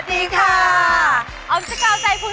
อมสก๊าวใจพูดสวัสดีแค่